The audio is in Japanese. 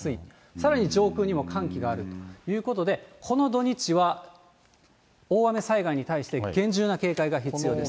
さらに上空にも寒気があるということで、この土日は大雨災害に対して厳重な警戒が必要です。